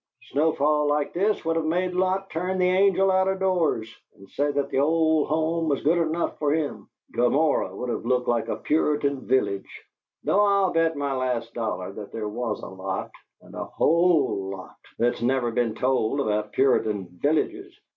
Snowfall like this would of made Lot turn the angel out of doors and say that the old home was good enough for him. Gomorrah would of looked like a Puritan village though I'll bet my last dollar that there was a lot, and a WHOLE lot, that's never been told about Puritan villages.